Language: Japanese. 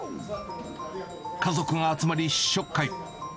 家族が集まり、試食会。